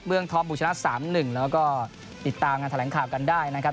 เมืองท้อมบุชนัด๓๑แล้วก็ติดตามการแสดงข่าวกันได้นะครับ